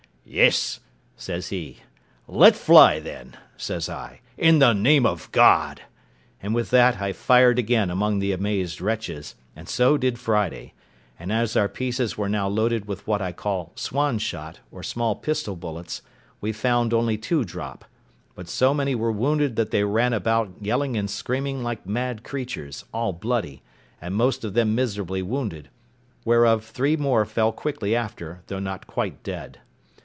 "Yes," says he. "Let fly, then," says I, "in the name of God!" and with that I fired again among the amazed wretches, and so did Friday; and as our pieces were now loaded with what I call swan shot, or small pistol bullets, we found only two drop; but so many were wounded that they ran about yelling and screaming like mad creatures, all bloody, and most of them miserably wounded; whereof three more fell quickly after, though not quite dead.